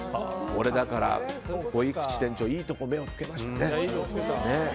だから、鯉口店長いいところに目をつけましたね。